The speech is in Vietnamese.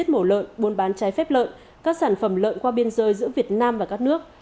mổ lợn buôn bán trái phép lợn các sản phẩm lợn qua biên giới giữa việt nam và các nước